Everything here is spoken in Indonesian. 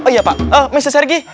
oh iya pak mister sergei